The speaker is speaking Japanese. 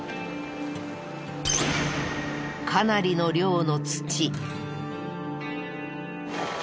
かなりの量の土。